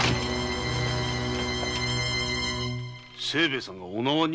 清兵衛さんがお縄に？